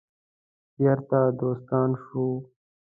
بیرته دوستان شو.